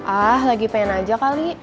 ah lagi pengen aja kali